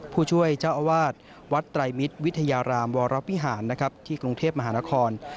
ผู้ช่วยเจ้าอาวาสวัดไตรมิตรวิทยารามวรวิหารนะครับที่กรุงเทพมหานคร